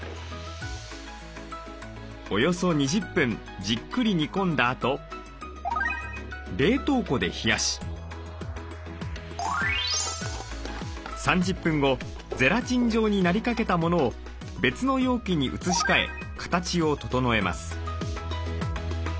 およそ２０分じっくり煮込んだあと冷凍庫で冷やし３０分後ゼラチン状になりかけたものを別の容器に移し替え形を整えます。